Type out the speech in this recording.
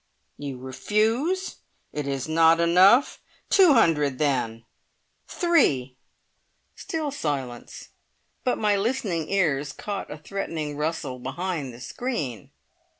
"You refuse! It is not enough? Two hundred then! Three!" Still silence. But my listening ears caught a threatening rustle behind the screen.